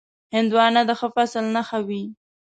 هندوانه د ښه فصل نښه وي.